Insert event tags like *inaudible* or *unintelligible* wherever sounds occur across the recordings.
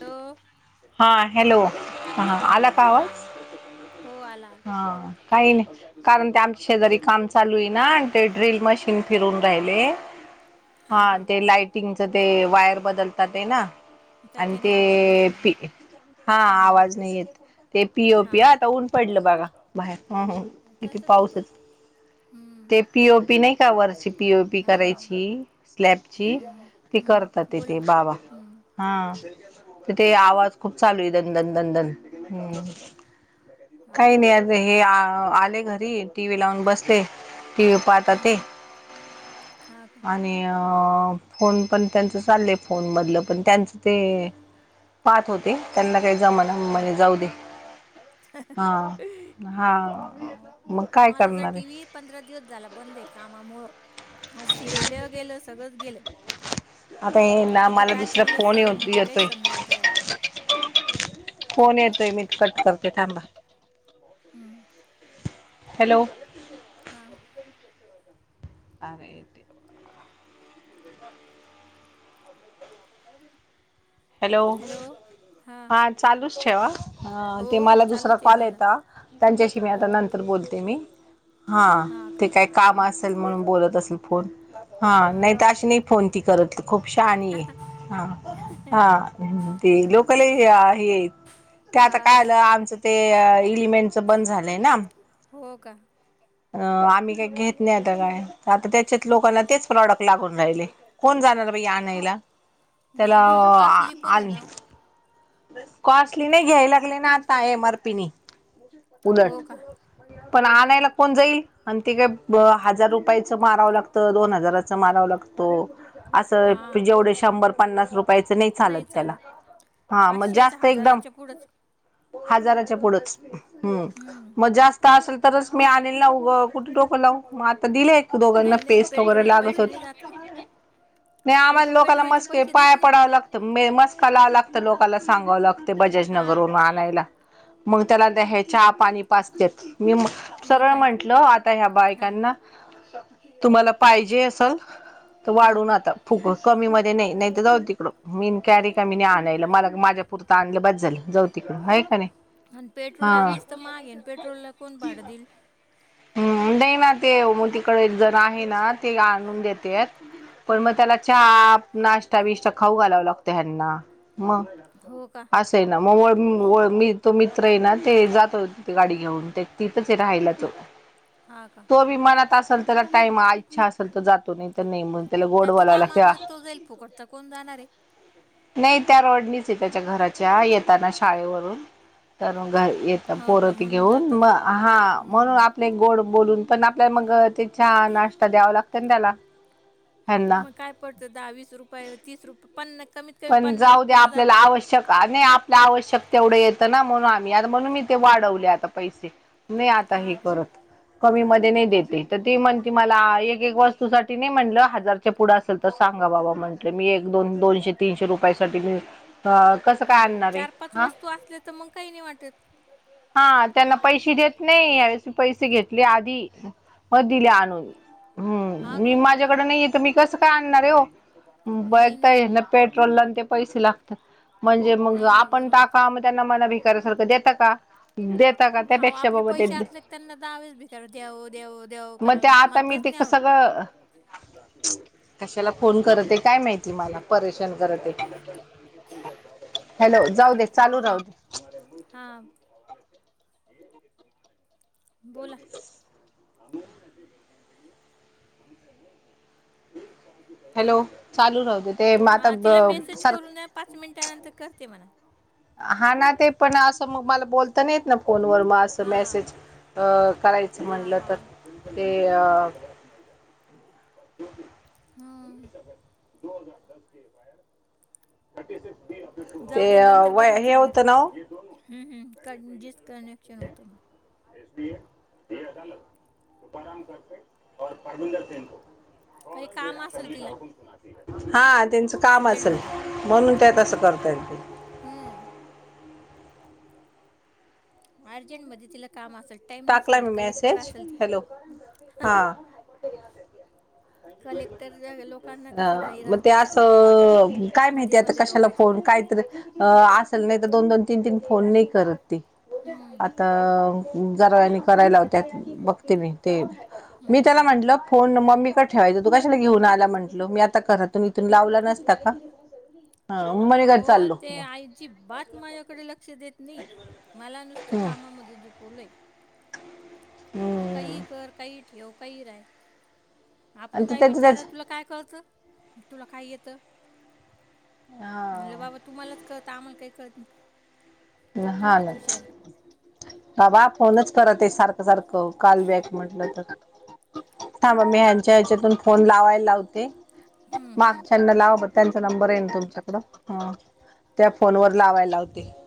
अ हा हॅलो हा आला हॅलो का हा. आवाज हो आला. काय नाय कारण ते आमच्या शेजारी काम चालूय ना आणि ते ड्रिल मशीन फिरून राहिले. हा ते लाइटिंगचं ते वायर बदलता ते ना, आणि त्याच्याने ते आवाज नसेल पी हा हम्म आवाज नाही येत ते पीओ हा पी आता ऊन पडलं बघा. बाहेर हा हो ईथ तसच होतं पाऊसच हम्म ते पीओ पी नाही का वरची पीओ पी हा हा करायची स्लॅपची हम्म ती हम्म करतात ये बोला ते बाबा. हम्म हा तिथे आवाज खूप चालूय दन दन दन दन हम्म. हा काय का नाही आज हे आले घरी टी व्ही लावून बसले. टीवी पाहतात हम्म ते हम्म हा का आन आणि अ फोन पण त्यांच चाललंय फोनमधलं पण त्यांच ते पहात होत ते त्यांना काय जमना हा म्हणे जाऊ दे. हा हा मग काय माझा तर करणार आहे टीव्ही पंधरा दिवस झाला बंद आहे कामामुळं अ सिरियल गेलं सगळंच गेलं आता हे ना कुठं मला काय दुसरा चाललंय फोन येऊ सिरियल मध्ये काय येतोय समजायला तयार नाही. फोन येतोय मीट कट करते थांबा. हम्म हॅलो हा अरे देव *unintelligible* हॅलो हां हा चालूच ठेवा अ हो ते हो मला दुसरा चालूच आहे कॉल माझा येता त्यांच्याशी मी आता नंत तर बोलते मी हा हां का ते काय काम हं असेल म्हणून बोलत असेल फोन. हा नाही तर अशी नाही फोन ती करत खूप शहाणी आहे. हा हा ते लोकं लई हे आहेत ते आता हा काय झालं आमचं ते एलिमेंटच बंद झालंय ना. हो का अ आम्ही काय घेत नाही आता बाया आता त्याच्यात हा लोकाला तेच प्रॉडक्ट लागून राहिले कोण जाणार बाई आणायला? त्याला नाही ना ओ आ कॉस्टली पण आहे आण ना ओ. कॉस्टली नाय घ्याय लागले ना आता एम आर पीनी हो उलट का पण आणायला कोण जाईल, आणि ते काय हजार रुपयाचं मारावं लागतं, दोन हजाराचं मारावं लागतो. असं हा प जेवढे शंभर पन्नास रुप पयच नाही चालत त्याला हा मग पाचशेच्या जास्त एकदम हजाराच्या पुढंच हजाराच्या पुढंच हम्म हम्म मग जास्त असल तरच मी आणील ना उग कुठे डोकं लाऊ मग आता दिले दोघांना नाही नाही पेस्ट वगैरे पेट्रोलला लागत पैसे होती. नाही जात का नाय लोक आम्हांला लोकांला पेट्रोलचे मस्के पैसे देत पाया नाही पडावं लाग त मे मस्का लाव लागत लोकाला सांगावं लागत हा बजाजनगर वरुन आणायला. मग त्याला हे चहा पाणी पाजत्यात मी म मग सरळ काय म्हंटल आता ह्या हा बायकांना तुम्हांला पाहिजे असल तर हम्म वाढून हम्म. आता फुक कमी मध्ये नाही तर जाऊ तिकडं मीन काय रिकामी नाही आणायला मला माझ्या पुरता आणलं बास झालं जाऊ दे तिकडं आहे का नाही आणि पेट्रोल हा आदीच तर महाग आहे आणि पेट्रोलला कोण भाडं देईल? हम् नाही ना ते मग तिकडे एक जण आहे ना ते आणून देतेत पण मग हम्म त्याला चहा नाश्ता बिष्टा खाऊ घालावं लागतं ह्यांना मंग हो का असं ना मग मी तो मित्र आहे ना ते जातो गाडी घेऊन तिथंच आहे राहायला‌ तो हा का तो बी मनात असेल तर त्याला टाईम इच्छा असंल तर जातो नाही तर नाही मग त्याला गोड त्याचं बोलावं काम लागतं असलं तर तो जाईल फुकटचा कोण जाणार आहे. नाही त्या रोडनीच आहे त्याच्या घराच्या येताना शाळेवरून तर घर येत हो का पोरती म्हणून घेऊन जात म असल हा हम्म म्हणून हम्म आप गोड बोलून पण आपल्या मग ते चहा नाश्ता द्यावा लागतं ना त्याला ह्यांना मग काय पडतं दहा वीस रुपये तीस रुपये पन्ना कमीत कमी पण पन्नास जाऊ दे रुपयेच आपल्याला जाता आवश्यक आणि ला आवश्यक तेवढं येतं ना म्हणून आम्ही म्हणून मी ते वाढवले आता पैसे नाही आता हे हा का करत कमी मध्ये नाही देते तर ती म्हणते मला एक एक वस्तूसाठी नाही म्हणलं हजार पुढं असेल तर सांगा बाबा म्हंटले मी एक दोन दोनशे तीनशे रुपया साठी मी कसं काय आणणार आहे चार पाच हा वस्तू असले तर मग काही नाही वाटत हा त्यांना पैसे देत नाही आणि मी पैसे घेतले आधी मग दिले आणून हा हम्म मी का माझ्याकडे नाहीये तर मी कसं काय आणणार आहे हो ब नाही नाही पेट्रोलला अन् ते पैसे लागतात म्हणजे मग नाही नाही आपण बरोबर टाका मग मला भिकाऱ्यासारखं देता का देता का अहो त्यापेक्षा आपले बाबा ते पैसे असले की त्यांना दहावेच भिकार द्यावं द्यावं द्यावं मग करावं ते लागतं मला आता मी तेच ते नाही आवडत सगळं कशाला फोन करते काय माहिती मला? परेशान करतहॅलो जाऊ दे चालू रा हा बोला... हॅलो चालू राहुदे हा तिला मेसेज करु दे पाच मिनिटानंतर करते म्हणा हा ना ते पण असं मग मला बोलता नाहीेत ना फोनवर मग असं हां मेसेज करायचं हां म्हटलं हां तर ते... ह हो ते व हे होतं ना ह ह क जीच कनेक्शन होतं मग एसी अदत तुकारा ग परवििंदर सेन को काही काम असेल तिला हा त्यांचं काम असेल अर्जंटमध्ये म्हणून त्यातसं करताय ते ह अर्जंट मध्ये तिला काम असेल टाइम टाकला नसेल मी कलेक्टर मेसेज असेल ती... हॅलो कलेक्टर लोकांना ह कसं घाई मग ते असते सारखी असं काय माहिती मध्ये आता मध्ये कशाला लोकांच्या फोन काहीतरी असेल नाही तर दोन दोन तीन तीन फोन नाही करत ती हम्म. आता जरानी करायला लावत्यात बघते मी ते हु मी ह त्याला म्हटलं फोन मम्मी कडन ठेवायचं तू कशाला घेऊन आला म्हटलो मी आता घरातून इथून लावला नसता का हा मम्मीकडे हो चाललो ते मग आईजिब्बात माझ्याकडे लक्ष देत नाही मला नुसतो हम्म कामामध्ये जोपवलंय *unintelligible* तू काही हम्म कर काही ठेव काही राय *unintelligible* आपण आणि ते काय त्याच विचार त्याच तुला काय कळतं तुला काय येतं *unintelligible* म्हलं बाबा हा तुम्हालाच कळत आम्हाला काही कळत नाही हा तुम्हीच ना हुशार आहे बाबा फोनच करत आहे सारखं सारखं काॉल बॅक म्हटलं तर *unintelligible* थांब मी ह्यांच्या ह्याच्यातून फोन लावायला लावते हम्म, माग हम्म. चाना लावा *unintelligible* त्यांचा नंबर आहे ना तुमच्याकडं ह त्या फोनवर लावायला लावते *unintelligible*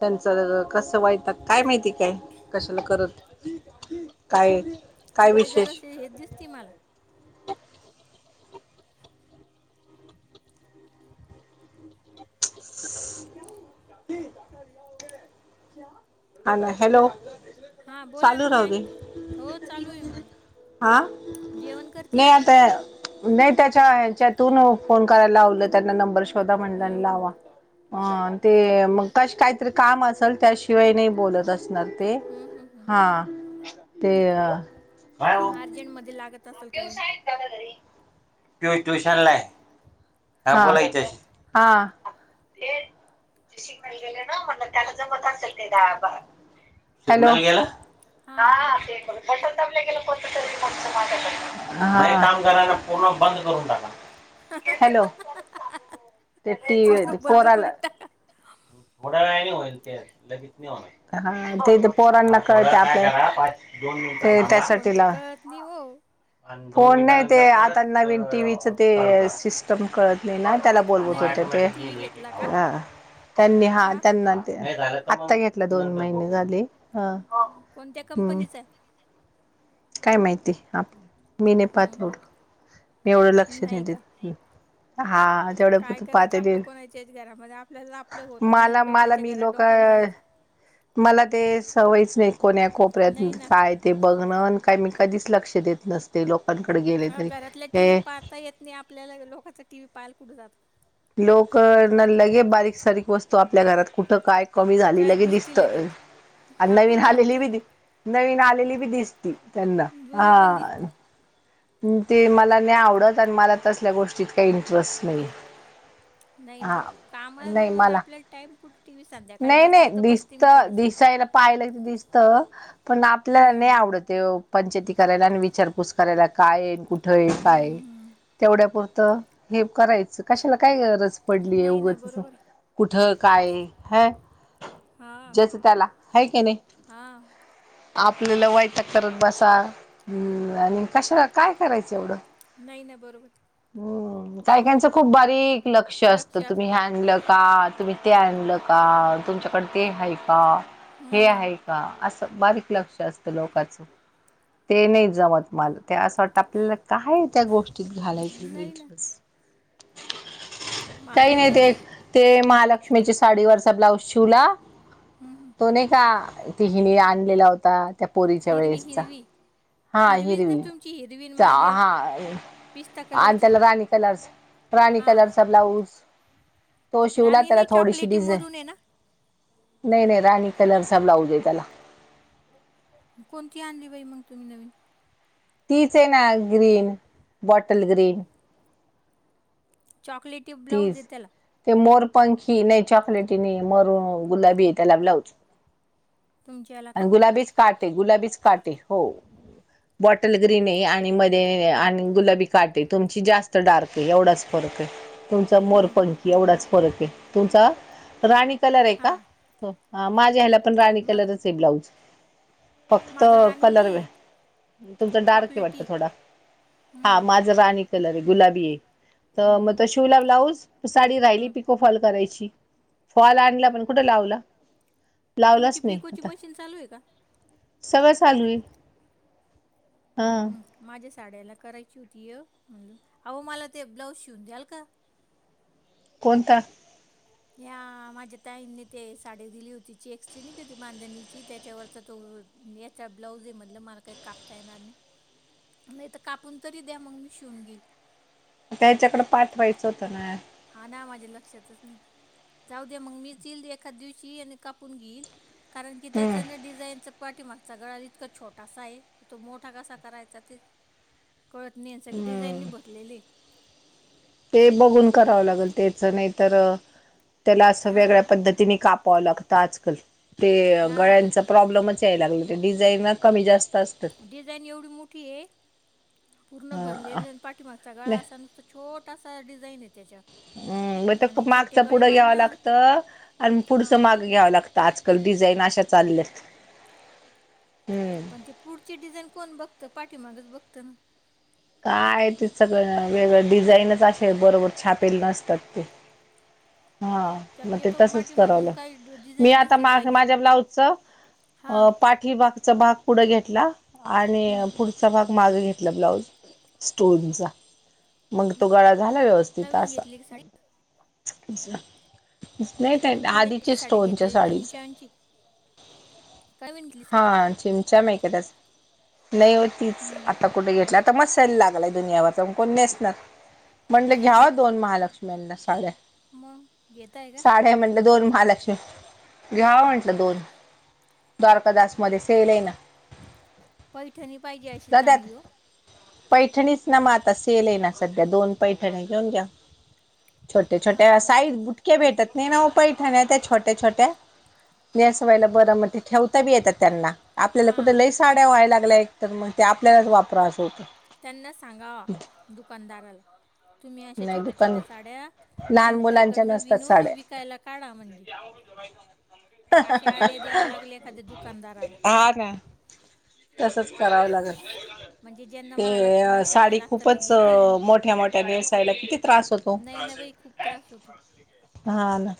त्यांच कसं वाटतात काय माहिती काय कशाला करत का ती बाई जरास हेच दिसते मला *unintelligible* हा ना हॅलो *unintelligible* हा बोला ना चालू मी राहू दे ऐकती हो चालू.. *unintelligible* हा *unintelligible* जेवण करते नाही मी *unintelligible* आता नाही त्याच्या ह्याच्यातून फोन करायला लावलं त्यांना नंबर शोधा म्हण हम्म हम्म लावा अ ते मघाशी काहीतरी काम असेल *unintelligible* शिवाय नाही बोलत असणार ते हम्म हम्म हा हम्म ते *unintelligible* अर्जेंट मध्ये लागत.. *unintelligible* तू ट्यूशन ला *unintelligible* हा *unintelligible* श गेले ना म्हण त्याला जमत असेल ते द *unintelligible* हा हाा ते बल तब गेरा *unintelligible* पूर्ण बंद करून टाका *unintelligible* ह. ह. ह *unintelligible* ते टी व पराला थोड वेळ होईल ते लग *unintelligible* हा ते ते पोरण काय कळतय *unintelligible* काही ते काही त्यासाठी फोनचं ला कळत नाही हो *unintelligible* फोन नाही ते आता नवीन टी व्हीच ते सिस्टम कळत *unintelligible* नाही नाही त्याला बोलवत नवीन होते ते टी व्ही घेतला का *unintelligible* ह त्यांनी हा त्यांना आत्ता घेतला दोन महिने झाले ह कोणत्या हम्म कंपनीचं *unintelligible* काय माहिती आपण मी नाही पाहत हम्म एवढं मी एवढं लक्ष न नाही देत का *unintelligible* हा तेवढं काय तू करायचं पाहते ते आपलं कोणाच्याच घरामध्ये आपल्याला आपलं होत मला नाही मला लोकांच्या मी घरात लोक डोकायला जायचं मला ते सवयच नाही कोणा कोपऱ्या नाही ना काय *unintelligible* ते बघण काय मी कधीच लक्ष देत नसते लोकांकडे गेले अहो, तरी घरातला टी व्ही हे *unintelligible* पाहता येत नाही आपल्याला लोकांच टीव्ही पाहाला कुठे जात *unintelligible* लोक न लगे बारीक सारीक वस्तू आपल्या घरात कुठं काय कमी झाली काय लगे दिसती दिसत लगेच आणि नवीन आपण जात आलेली नाही बी ना दि नवीन आलेली बी दिसती त्यांना हा जुनी पण दिसती *unintelligible* ते मला नाही आवडत आणि मला तसल्या गोष्टीत काही इंटरेस्ट नाही *unintelligible* नाही हा ना नाही कामामुळं मला आपल्याला टाइम कुठे टी व्ही संध्याकाळी नाही नाही बसलं तर बसते दिसत मी थोडंसं दिसायला पाहिलं दिसत पण आपल्या हम्म नाही आवडत पंचायती *unintelligible* करायला आणि विचारपूस करायला काय आहे कुठं आहे काय हम्म हम्म *unintelligible* तेवढ्यापुरतं हे करायचं कशाला काय गरज पडलीय नाही ना उगंच अस बरोबर आहे *unintelligible* कुठ काय ह हा ज्याच त्याला ह क नाही हा आपल्याला वाईट करत बसा हम्म आणि कशा काय करायचं एवढं *unintelligible* नाही नाही बरोबर *unintelligible* हम्म कायकांचं खूप बारीक लक्ष असतं तुम्ही हॅडल काात *unintelligible* तुम्ही ते आणलं का तुमच्याकडे ते आहे का *unintelligible* हे आहे हम्म का असं बारीक लक्ष असत *unintelligible* लोकच ते नाही जमत माल ते अस *unintelligible* आपल्याला काय त्या गोष्टीत घालायच नाही ना इंटरे *unintelligible* काही माझं नाही तसंच ते आहे ते महालक्ष्मीच्या साडीवरचा ब्लाऊज शिवला हम्म हम्म तो नाही का तिहीने आणलेला होता त्या पोरीच्या हिरवी वेळेसचा हिरवी हा हिरवीच ना हिरवी तुमची हिरवी न माझे हा पिस्ता आणि कलरची त्याला राणी कलर्स प्राणी हा कलरचा ब्लाऊज तो शिवला राणी त्याला नाही थोडीशी चॉकलेटी डिझेन मरून आहे ना नाही नाही राणी कलरचा ब्लाऊज आहे त्याला कोणती आणली बाई मग तुम्ही नवीन तीच आहे ना ग्रीन बॉटल ग्रीन चॉकलेटी ब्लाऊज तीच येत त्याला ते मोरपंखी नाही चॉकलेटीने मोर गुलाबीत त्याला ब्लाउज तुमच्या याला का आणि गुलाबीच काटे गुलाबीच काटे हो बॉटल ग्रीन आहे आणि म आणि गुलाबी काटे तुमची जास्त डार्क आहे एवढाच फरक आहे तुमचा मोर हम्म, पण हम्म, क हम्म, हम्म. एवढाच फरक आहे तुमचा राणी कलर आहे हां का माझ्या ह्याला पण राणी मग कलरच आहे ब्लाऊज फक्त माझा राणी नाही कलर आहे तुमच डार्क आहे वाटत चॉकलेटी थोडा हा हम्म, कल गुला हम्म, हम्म, मगव्ला राहि हम्म, पो करा फॉल आणला पण कुठ लावला तुमची लावलाच नाही पिकोची आता मशीन चालू आहे का सगळ चालू आहे हा हम्म. माझ्या साड्याला करायची होती अ हम अहो मला ते ब्लाउज शिवून द्याल का कोणता या माझ्या ताईंनी ते साडी दिली होती ची एक्सचेज होती बांधणीची त्याच्यावर तर तो न त्या ब्लाऊजी मधलं मला काही कापता येणार नाही नाही तर कापून तरी द्या मग मी शिवून घेईल त्याच्याकडं पाठवायचं होतं ना हा ना माझ्या लक्षातच नाही जाऊ द्या मग मीच येईल एखाद दिवशी आणि कापून घेईल कारण की त्याच हम्म ना डिझाईनचं पाठीमाग गळा इतका छोटासा आहे तो मोठा कसा करायचा ते कळत नाही सगळ डिझाईननी हम्म भरलेलय ते बघून करावं लागेल तेच नाहीतर त्याला असं हां वेगळ्या पद्धतीने कापावं लागतं आजकाल ते हां गळ्यांच प्रॉब्लेमच याय लागले ते डिझाईन कमी जास्त असतात डिझाईन एवढी मोठी ए पूर्ण ह भरलेल पाठीमागचा गळा नाही असा नुसत छोटसा डिझाईन आहे त्याच्यात हम् म आणि मागच छोटे गळे पुढं मला घ्याव नाही आवडत लागत आणि पुढच हां माग घ्याव लागं आजकाल डिझान अशा चालल्यात हम्म पण ते पुढची डिझाईन कोण बघतं पाठीमागच बघतं ना काय ते सगं वेगळ डिझाईनच असे बरोबर छात पेल नसतात ते हा मग ते शक्यतो तसच करावं पाठीमागून काही लागतं मी डिझाईन आता दिसली पाहिजे माझ्या ब्लाऊजच हां अ पा ही बागचा भाग पुढे घेतला आणि हं. पुढचा भाग माग घेतला ब्लाऊज स्टोनचा मग तो गळा झाला व्यवस्थित नवीन असा घेतली की साडी नाही मी ताई टिळ्याची आधीच्या साडी स्टोनच्या घेतलेली साडीच चिमच्यांची काय बी घेतली साडी हा चिमच्या *unintelligible* नाही हो तीच हं. आता कुठे घेतल्या आता म सेल लागलाय दुनियावरचा कोण नेस म्हंनल नाही घ्याव बाई दोन महालक्ष्म्यांना साड्या मग घेत आहे का सा म्हटलं दोन महालक्ष्मी घ्याव म्हंटलं दोन द्वारकादास मध्ये सेल ए ना. पैठणी पाहिजे अशी चांगली दादात ओ. पैठणीच ना मग आता सेल आहे ना सध्या दोन पैठणी घेऊन घ्या. छोट्या छोट्या हां साईज बुटक्या भेटत नाही ना ओ पैठाण्या त्या छोट्या छोट्या नेसवायला बरं म् ते ठेवता बी येतात त्यांना आपल्याला कुठ हां लईस साड्या व्हायला लागल्या एक तर मग ते आपल्यालाच वापरा अस होतं. त्यांना सांगाव दुकानदाराला. तुम्ही अशा नाही छोट्या दुकान छोट्या साड्या लहान मुलांच्या विणकरकडनं नसतात विनून साड्या विकायला काढा म्हणजे *unintelligible* आशी आयड्या द्यावा लागल एखाद्या दुकानदारा हा ना. तसंच करावं लागन. म्हणजे ज्यांना ते महालक्ष्मीला साड्या साडी लागतात ते खूपच घेतील मग मोठ्या मोठ्या नेसून -सायला किती त्रास होतो नाही ना बाई खूप त्रास होतो हा ना.